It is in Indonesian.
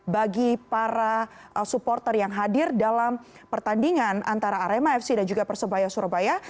bagi para supporter yang hadir dalam pertandingan antara arema fc dan juga persebaya surabaya